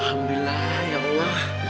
alhamdulillah ya allah